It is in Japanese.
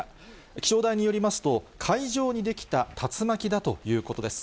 気象台によりますと、海上に出来た竜巻だということです。